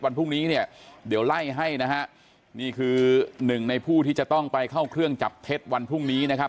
วันพรุ่งนี้เนี่ยเดี๋ยวไล่ให้นะฮะนี่คือหนึ่งในผู้ที่จะต้องไปเข้าเครื่องจับเท็จวันพรุ่งนี้นะครับ